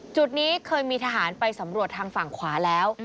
จุดนี้เคยมีทหารไปสำรวจทางฝั่งขวาแล้ว